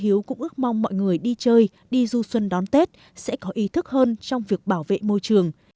hiếu cũng ước mong mọi người đi chơi đi du xuân đón tết sẽ có ý thức hơn trong việc bảo vệ môi trường